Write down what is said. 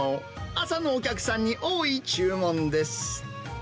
朝のお客さんに多い注文です。